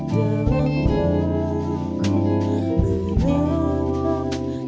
dalam wangku menanggung